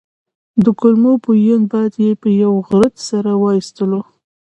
د کولمو بوین باد یې په یوه غرت سره وايستلو.